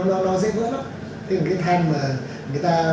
thế là cái than mà người ta gọi là nhiệt hóa nó lên đúng không ạ